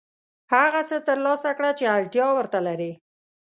هغه څه ترلاسه کړه چې اړتیا ورته لرې.